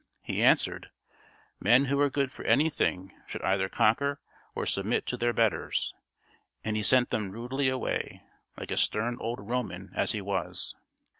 He answered, "Men who are good for anything should either conquer or submit to their betters;" and he sent them rudely away, like a stern old Roman as he was.